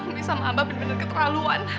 umi sama abang bener bener keterlaluan